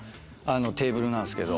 テーブルなんですけど。